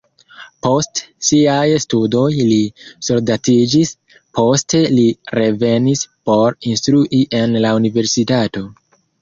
Post siaj studoj li soldatiĝis, poste li revenis por instrui en la universitato.